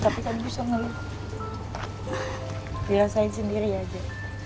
tapi kamu bisa ngerasain sendiri aja